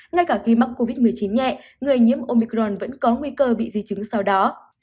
ngay cả khi mắc covid một mươi chín nhẹ người nhiễm omicron vẫn có nguy cơ bị di chứng sau đó